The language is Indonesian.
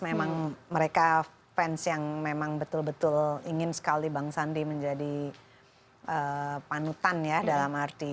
memang mereka fans yang memang betul betul ingin sekali bang sandi menjadi panutan ya dalam arti